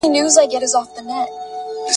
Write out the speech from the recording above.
لا کړېږې به تر څو له ظلم زوره !.